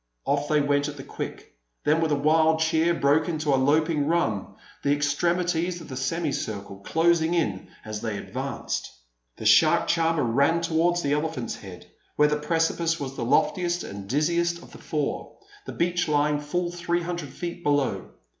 Off they went at the quick; then, with a wild cheer, broke into a loping run, the extremities of the semicircle closing in as they advanced. The shark charmer ran towards the Elephant's head, where the precipice was the loftiest and dizziest of the four, the beach lying full three hundred feet below.